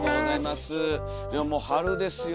いやもう春ですよ。